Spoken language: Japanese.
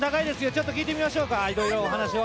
ちょっと聞いてみましょうかいろいろお話を。